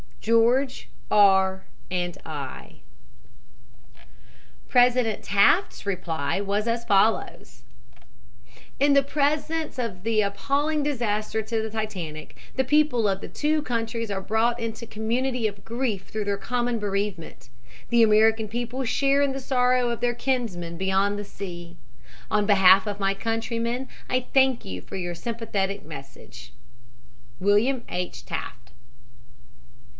"GEORGE R. AND I." President Taft's reply was as follows: "In the presence of the appalling disaster to the Titanic the people of the two countries are brought into community of grief through their common bereavement. The American people share in the sorrow of their kinsmen beyond the sea. On behalf of my countrymen I thank you for your sympathetic message. "WILLIAM H. TAFT."